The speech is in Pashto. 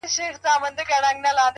د کافي لوګی د سهار فضا نرموي’